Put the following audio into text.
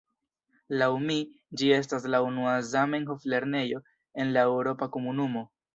Laŭ mi, ĝi estas la unua Zamenhof-lernejo en la Eŭropa Komunumo.